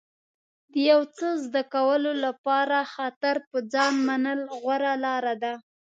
د یو څه زده کولو لپاره خطر په ځان منل غوره لاره ده.